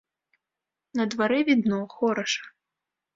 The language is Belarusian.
На дварэ відно, хораша.